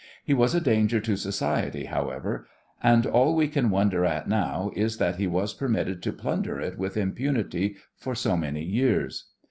He was a danger to society, however, and all we can wonder at now is that he was permitted to plunder it with impunity for so many years.